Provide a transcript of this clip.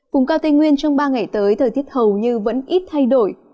vùng cao tây nguyên trong ba ngày tới thời tiết hầu như vẫn ít thay đổi